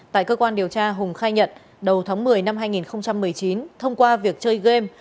tại cơ quan điều tra hùng khai nhận đầu tháng một mươi năm hai nghìn một mươi chín thông qua việc chơi game